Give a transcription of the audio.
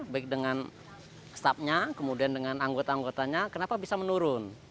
baik dengan staffnya kemudian dengan anggota anggotanya kenapa bisa menurun